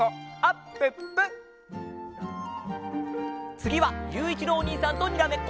つぎはゆういちろうおにいさんとにらめっこ！